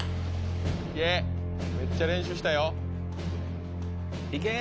めっちゃ練習したよいけ！